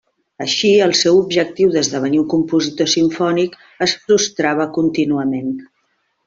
Així, el seu objectiu d'esdevenir un compositor simfònic es frustrava contínuament.